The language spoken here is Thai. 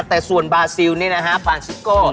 แต่ส่วนบาซิลนี่นะฮะปานซิโก้